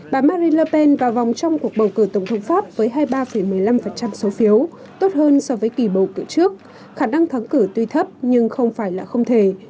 bà mari lapen vào vòng trong cuộc bầu cử tổng thống pháp với hai mươi ba một mươi năm số phiếu tốt hơn so với kỳ bầu cử trước khả năng thắng cử tuy thấp nhưng không phải là không thể